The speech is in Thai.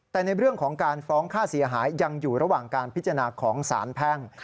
แต่ในเรื่องของการฟ้องค่าเสียหายยังอยู่ระหว่างการพิจารณาของสารแพ่ง